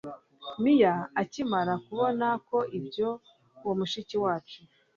Mia akimara kubona ko ibyo uwo mushiki wacu